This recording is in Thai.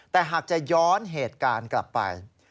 แต่หากจะย้อนเหตุการณ์กลับไป